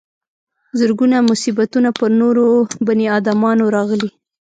زرګونه مصیبتونه پر نورو بني ادمانو راغلي.